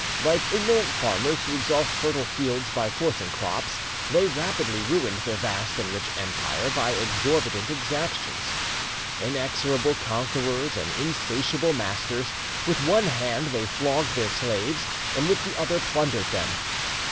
Like ignorant farmers, who exhaust fertile fields by forcing crops; they rapidly ruined their vast and rich empire by exorbitant exactions. Inexorable conquerors and insatiable masters, with one hand they flogged their slaves and with the other plundered them.